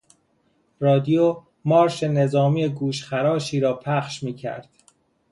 رادیو مارش نظامی گوشخراشی را پخش میکرد.